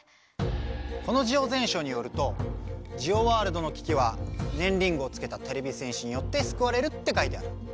このジオ全書によるとジオワールドのききはねんリングをつけたてれび戦士によってすくわれるって書いてある。